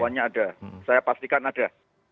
semuanya ada saya pastikan ada